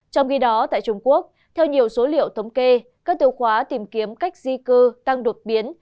trong khi đó tại trung quốc theo nhiều số liệu thống kê các tiêu khóa tìm kiếm cách di cư tăng đột biến